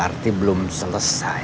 berarti belum selesai